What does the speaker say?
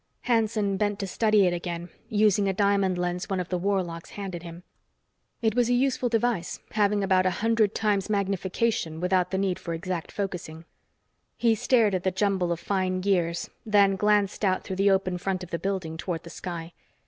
Hanson bent to study it again, using a diamond lens one of the warlocks handed him. It was a useful device, having about a hundred times magnification without the need for exact focusing. He stared at the jumble of fine gears, then glanced out through the open front: of the building toward the sky.